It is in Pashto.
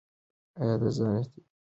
ایا ده ځان د اعتراضي غورځنګ مشر ګڼي؟